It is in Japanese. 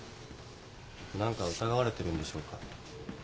何か疑われてるんでしょうか？